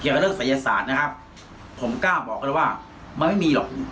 เรื่องศัยศาสตร์นะครับผมกล้าบอกเลยว่ามันไม่มีหรอก